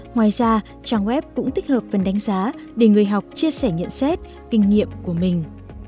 ngoài ra trang web cũng tích hợp phần đánh giá để người học chia sẻ nhận xét kinh nghiệm của mình